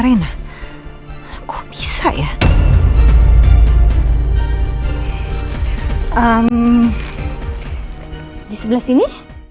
rena kok bisa ya om di sebelah sini